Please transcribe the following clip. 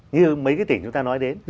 như mấy cái tỉnh chúng ta nói đến